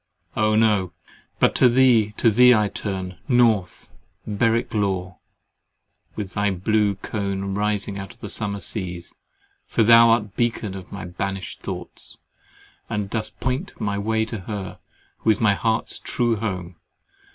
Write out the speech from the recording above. Oh no! But to thee, to thee I turn, North Berwick Law, with thy blue cone rising out of summer seas; for thou art the beacon of my banished thoughts, and dost point my way to her, who is my heart's true home.